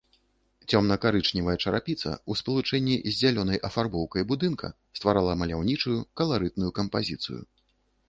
Цёмна-карычневая чарапіца ў спалучэнні з зялёнай афарбоўкай будынка стварала маляўнічую, каларытную кампазіцыю.